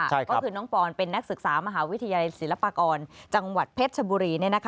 ก็คือน้องปอนเป็นนักศึกษามหาวิทยาลัยศิลปากรจังหวัดเพชรชบุรี